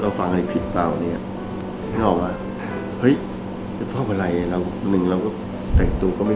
เราฝังอะไรผิดเปล่าเหนี่ย